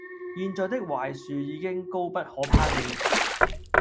現在槐樹已經高不可攀了，